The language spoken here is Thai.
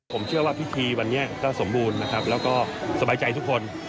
ผมเชื่อว่าพิธีวันนี้ก็สมบูรณ์และสบายใจทุกคน